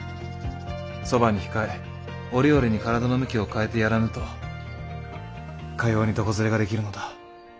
そばに控え折々に体の向きを変えてやらぬとかように床ずれができるのだ。